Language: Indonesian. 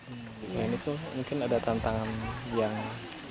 selain itu mungkin ada tantangan yang berat juga